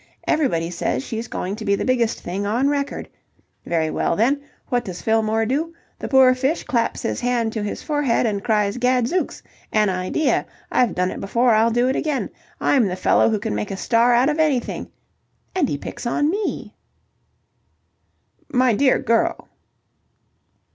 Everybody says she's going to be the biggest thing on record. Very well, then, what does Fillmore do? The poor fish claps his hand to his forehead and cries 'Gadzooks! An idea! I've done it before, I'll do it again. I'm the fellow who can make a star out of anything.' And he picks on me!" "My dear girl..."